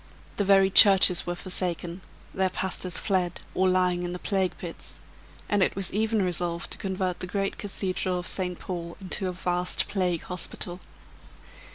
The very churches were forsaken; their pastors fled or lying in the plague pits; and it was even resolved to convert the great cathedral of St. Paul into a vast plague hospital.